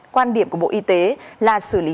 quan điểm của bộ y tế là xử lý